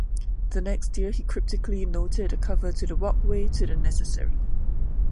The next year he cryptically noted a cover to the walkway to the necessary.